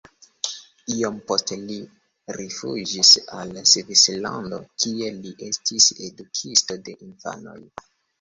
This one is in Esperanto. Iom poste li rifuĝis al Svislando, kie li estis edukisto de infanoj.